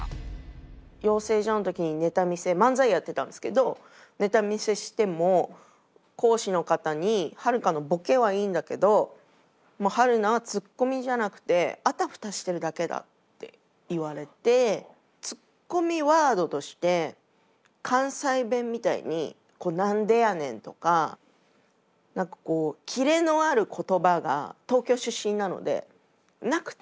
養成所の時にネタ見せ漫才やってたんですけどネタ見せしても講師の方に「はるかのボケはいいんだけどもう春菜はツッコミじゃなくてあたふたしてるだけだ」って言われてツッコミワードとして関西弁みたいに「なんでやねん！」とか何かこうキレのある言葉が東京出身なのでなくて。